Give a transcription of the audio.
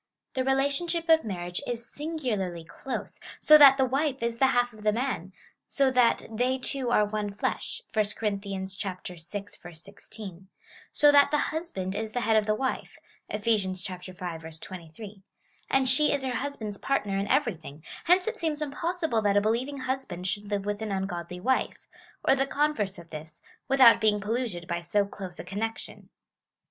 The relationship of marriage is singularly close, so that the wife is the half of the man — so that they two are one flesh — (1 Cor. vi. 16) — so that the husband is the head of the wife ; (Eph. V. 23;) and she is her husband's partner in everything; hence it seems impossible that a believing husband should live with an ungodly wife, or the converse of this, without being polluted by so close a connection.